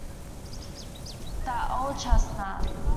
That old chestnut.